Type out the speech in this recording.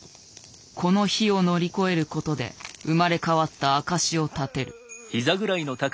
この火を乗り越えることで生まれ変わった証しを立てる。